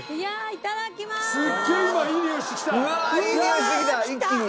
いただきます！